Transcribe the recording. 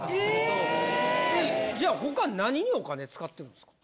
エーッ！じゃあ他何にお金使ってるんですか？